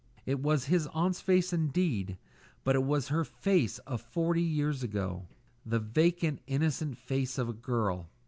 It was his aunt's face indeed, but it was her face of forty years ago, the vacant innocent face of a girl.